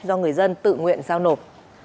do người dân tự nguyện giao nộp